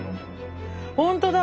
本当だ！